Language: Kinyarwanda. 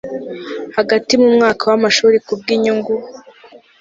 hagati mu mwaka w amashuri ku bw inyungu